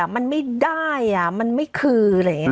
มันไม่ได้มันไม่คืออะไรอย่างนี้